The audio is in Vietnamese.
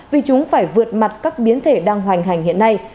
vì chúng phải vượt mặt các biến thể đang hoành hành hiện nay